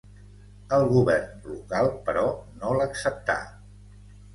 El govern local, però, no l'acceptà.